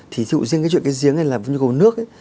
thì ví dụ riêng cái chuyện cái giếng này làm như cầu nước ấy